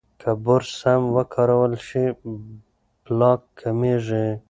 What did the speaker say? که برس سم وکارول شي، پلاک کمېږي.